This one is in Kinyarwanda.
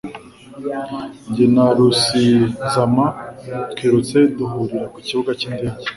Jye na Rusizama twirutse duhurira ku kibuga cy'indege